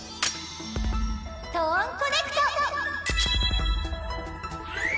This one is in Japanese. トーンコネクト！